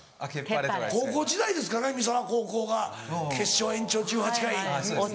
高校時代ですかね三沢高校が決勝延長１８回。